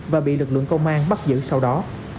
và bị lực lượng công an bắt giữ sau đó